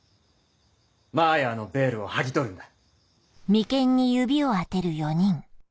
マーヤーのヴェールを剥ぎ取るんだ。